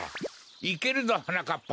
いけるぞはなかっぱ！